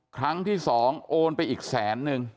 ครั้งที่๒โอนไปอีกแสนนึง